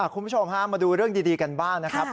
คุณผู้ชมฮะมาดูเรื่องดีกันบ้างนะครับ